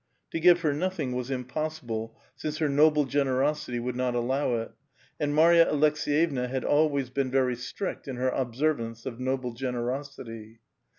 To give her S^tlxing was impossible, since her noble generosity would not ^*lo^ it ; and Marya Aleks^yevna had always been very strict ^^ lier observance of noble generosity.